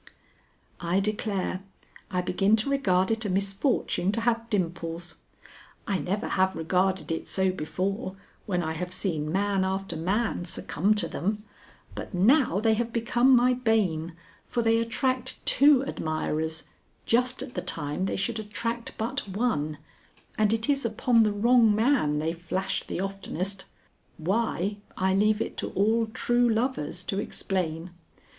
I declare I begin to regard it a misfortune to have dimples. I never have regarded it so before when I have seen man after man succumb to them, but now they have become my bane, for they attract two admirers, just at the time they should attract but one, and it is upon the wrong man they flash the oftenest; why, I leave it to all true lovers to explain.